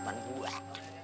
mohon dah cuma buah